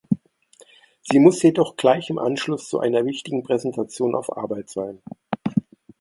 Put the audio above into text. Sie muss jedoch gleich im Anschluss zu einer wichtigen Präsentation auf Arbeit sein.